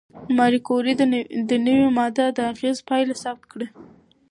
ماري کوري د نوې ماده د اغېزو پایله ثبت کړه.